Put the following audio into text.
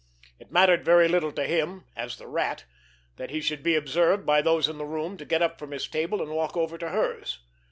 It mattered very little to him, as the Rat, that he should be observed by those in the room to get up from his table and walk over to hers.